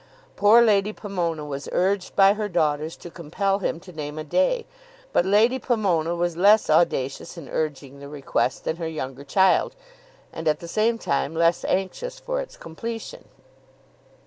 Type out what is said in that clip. Poor Lady Pomona was urged by her daughters to compel him to name a day; but Lady Pomona was less audacious in urging the request than her younger child, and at the same time less anxious for its completion.